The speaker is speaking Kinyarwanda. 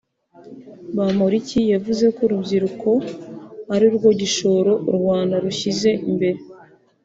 Bamporiki yavuze ko urubyiruko ari rwo gishoro u Rwanda rushyize imbere